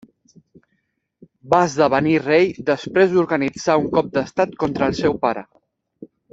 Va esdevenir rei després d'organitzar un cop d'estat contra el seu pare.